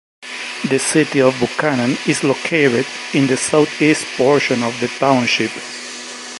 The city of Buchanan is located in the southeast portion of the township.